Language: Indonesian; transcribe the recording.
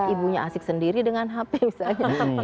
ibunya asik sendiri dengan hp misalnya